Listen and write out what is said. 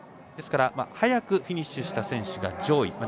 ですから早くフィニッシュした選手が上位。